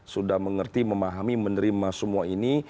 sudah mengerti memahami menerima semua ini